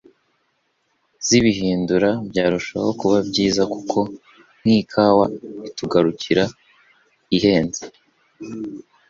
zibihindura byarushaho kuba byiza kuko nk’ikawa itugarukira ihenze